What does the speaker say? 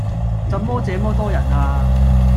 怎麼這麼多人呀？